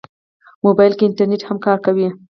موبایل کې انټرنیټ هم کار کوي.